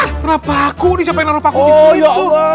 kenapa aku nih siapa yang larut aku disitu